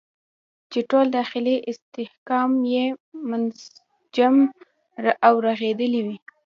چې ټول داخلي استحکام یې منسجم او رغېدلی وي.